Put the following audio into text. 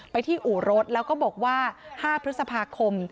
ไปที่อู่รถแล้วก็บอกว่า๕พฤษภาคม